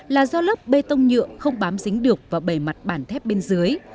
là do lớp bê tông nhựa không bám dính được vào bề mặt bàn thép bên dưới